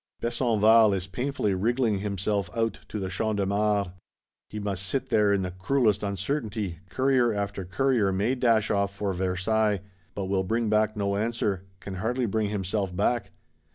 Besenval is painfully wriggling himself out, to the Champ de Mars; he must sit there "in the cruelest uncertainty:" courier after courier may dash off for Versailles; but will bring back no answer, can hardly bring himself back.